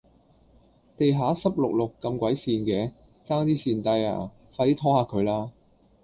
地下濕漉漉咁鬼跣嘅，差啲跣低呀，快啲拖吓佢啦